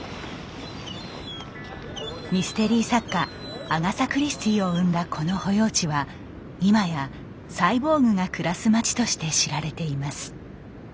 ミステリー作家アガサ・クリスティを生んだこの保養地は今やサイボーグが暮らす町として知られています。